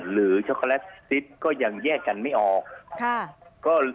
หรือช็อกโกแลตซีจริงก็ยังแยกกันไม่ออก